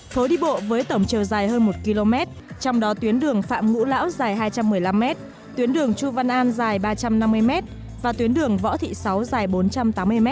phố đi bộ với tổng chiều dài hơn một km trong đó tuyến đường phạm ngũ lão dài hai trăm một mươi năm m tuyến đường chu văn an dài ba trăm năm mươi m và tuyến đường võ thị sáu dài bốn trăm tám mươi m